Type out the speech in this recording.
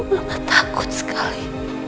mama takut sekali